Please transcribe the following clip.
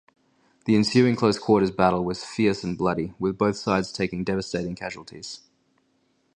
The ensuing close-quarters battle was fierce and bloody, with both sides taking devastating casualties.